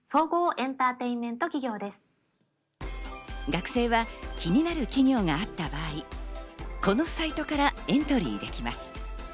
学生は気になる企業があった場合、このサイトからエントリーできます。